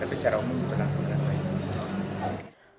tapi secara umum kita langsung berangkat